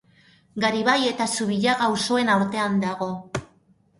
Garibai eta Zubillaga auzoen artean dago.